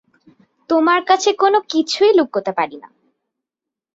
তোমার কাছে কোনো কিছুই লুকোতে পারি নে।